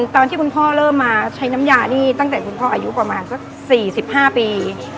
ตอนที่คุณพ่อเริ่มมาใช้น้ำยานี่ตั้งแต่คุณพ่ออายุประมาณสัก๔๕ปี